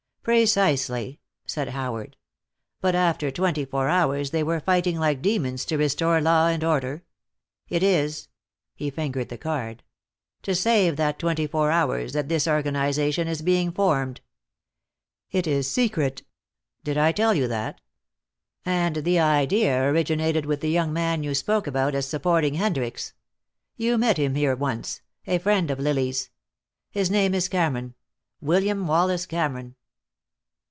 "Precisely," said Howard, "but after twenty four hours they were fighting like demons to restore law and order. It is" he fingered the card "to save that twenty four hours that this organization is being formed. It is secret. Did I tell you that? And the idea originated with the young man you spoke about as supporting Hendricks you met him here once, a friend of Lily's. His name is Cameron William Wallace Cameron."